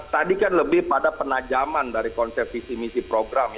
tadi kan lebih pada penajaman dari konsep visi misi program